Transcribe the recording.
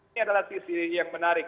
ini adalah sisi yang menarik